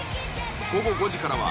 午後５時からは『